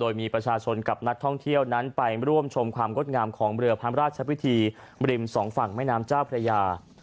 โดยมีประชาชนกับนักท่องเที่ยวนั้นไปร่วมชมความกดงามของบริมสองฝั่งแม่น้ำจ้าพระยา